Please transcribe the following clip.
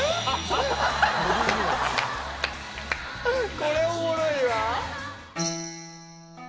これおもろいわ。